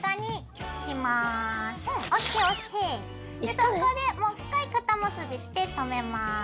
そこでもう１回かた結びしてとめます。